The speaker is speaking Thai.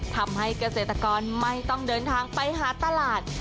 ทำให้เกษตรกรไม่ต้องเดินทางไปหาตลาด